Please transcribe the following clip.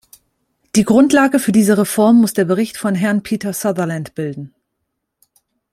Die Grundlage für diese Reform muss der Bericht von Herrn Peter Sutherland bilden.